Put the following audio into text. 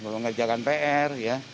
mengerjakan pr ya